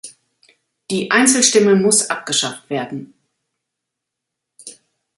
Die Einzelstimme muss abgeschafft werden.